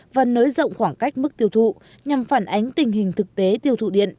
và nới rộng khoảng cách mức tiêu thụ nhằm phản ánh tình hình thực tế tiêu thụ điện